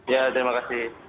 ya terima kasih